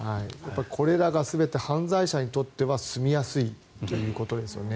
これらが全て犯罪者にとっては住みやすいということですよね。